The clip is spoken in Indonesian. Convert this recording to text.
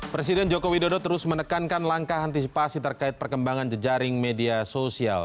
presiden joko widodo terus menekankan langkah antisipasi terkait perkembangan jejaring media sosial